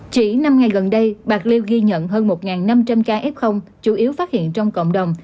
chỉ năm ngày gần đây bạc liêu ghi nhận hơn một năm trăm linh ca f chủ yếu phát hiện trong cộng đồng